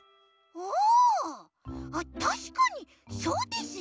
おたしかにそうですね。